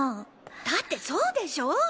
だってそうでしょ！？